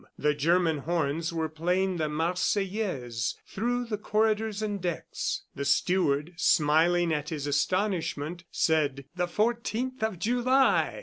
The German horns were playing the Marseillaise through the corridors and decks. The steward, smiling at his astonishment, said, "The fourteenth of July!"